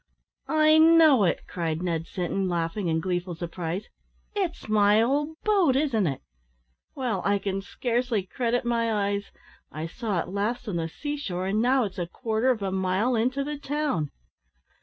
"I know it!" cried Ned Sinton, laughing in gleeful surprise; "it's my old boat, isn't it? Well, I can scarcely credit my eyes! I saw it last on the sea shore, and now it's a quarter of a mile into the town!"